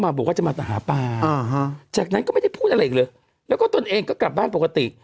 บอกว่าจะมาหาปลาจากนั้นก็ไม่ได้พูดอะไรอีกเลยแล้วก็ตนเองก็กลับบ้านปกติ